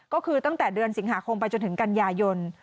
ก็คือตั้งแต่เดือนสิงหาคมไปจนถึงกันยายน